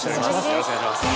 よろしくお願いします。